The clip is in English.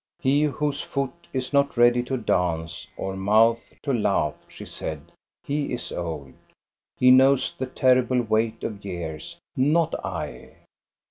" He whose foot is not ready to dance, or mouth to laugh," she said, " he is old. He knows the terrible weight of years, not I."